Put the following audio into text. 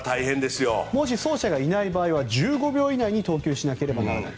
もし走者がいない場合は１５秒以内に投球しなければならない。